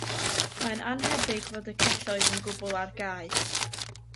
Mae'n annhebyg fod y celloedd yn gwbl ar gau